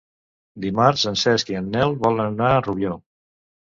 Dimarts en Cesc i en Nel volen anar a Rubió.